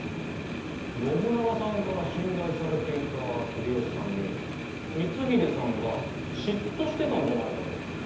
信長さんから信頼されていた秀吉さんに光秀さんが嫉妬してたんじゃないかと？